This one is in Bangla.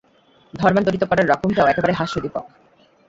ধর্মান্তরিত করার রকমটাও একেবারে হাস্যোদ্দীপক।